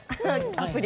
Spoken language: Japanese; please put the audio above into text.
アプリ。